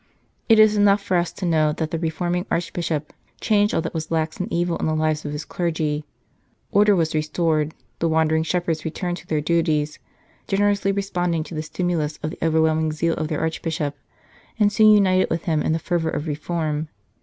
It is enough for us to know that the re forming Archbishop changed all that was lax and evil in the lives of his clergy ; order was restored, the wandering shepherds returned to their duties, generously responding to the stimulus of the overwhelming zeal of their Archbishop, and soon united with him in the fervour of reform.